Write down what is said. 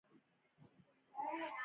په افغانستان کې ښارونه ډېر اهمیت لري.